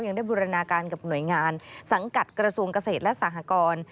ยังได้บูรณาการกับหน่วยงานสังกัดกระทรวงเกษตรและสหกร